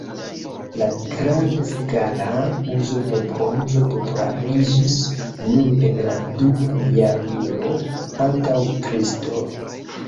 La grandskala uzo de bronzo populariĝis nur en la dua jarmilo antaŭ Kristo.